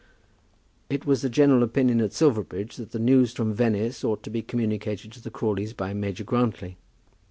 It was the general opinion at Silverbridge that the news from Venice ought to be communicated to the Crawleys by Major Grantly.